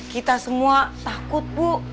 kita semua takut bu